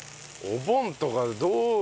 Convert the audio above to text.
お盆とかどう？